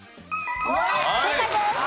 正解です。